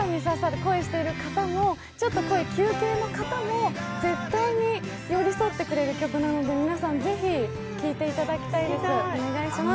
恋してる方も、ちょっと恋休憩の方も絶対に寄り添ってくれる曲なので皆さん、ぜひ聴いていただきたいです、お願いします。